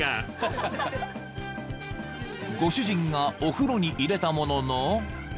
［ご主人がお風呂に入れたものの］